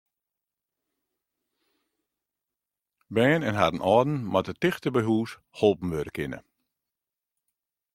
Bern en harren âlden moatte tichteby hús holpen wurde kinne.